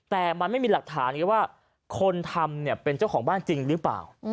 แต่มันไม่มีหลักฐานไงว่าคนทำเนี่ยเป็นเจ้าของบ้านจริงหรือเปล่า